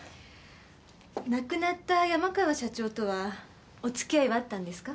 亡くなった山川社長とはお付き合いはあったんですか？